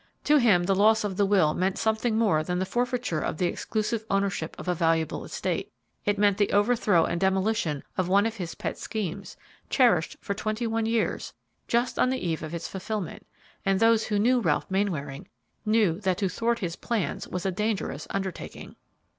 To him, the loss of the will meant something more than the forfeiture of the exclusive ownership of a valuable estate; it meant the overthrow and demolition of one of his pet schemes, cherished for twenty one years, just on the eve of its fulfilment; and those who knew Ralph Mainwaring knew that to thwart his plans was a dangerous undertaking.